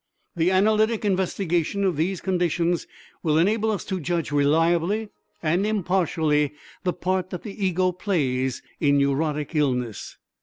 The analytic investigation of these conditions will enable us to judge reliably and impartially the part that the ego plays in neurotic illness.